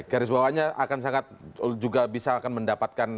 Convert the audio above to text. garis bawahnya akan sangat juga bisa akan mendapatkan